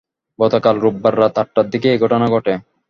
গতকাল রোববার রাত আটটার দিকে এ ঘটনা ঘটে।